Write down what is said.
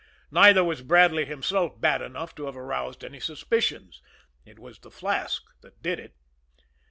Neither was Bradley himself bad enough to have aroused any suspicion. It was the flask that did it.